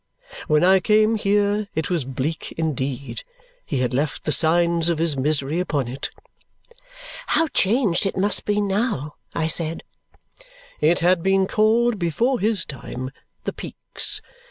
When I came here, it was bleak indeed. He had left the signs of his misery upon it." "How changed it must be now!" I said. "It had been called, before his time, the Peaks.